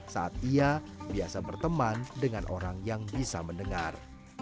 saat ia biasa berteman dengan orang yang bisa mendengar